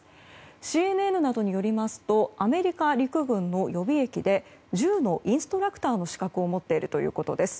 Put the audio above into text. ＣＮＮなどによりますとアメリカ陸軍の予備役で銃のインストラクターの資格を持っているということです。